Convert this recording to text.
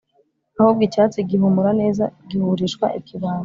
ahubwo icyatsi gihumura neza gihurishwa ikibando